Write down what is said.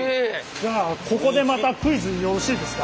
じゃあここでまたクイズよろしいですか？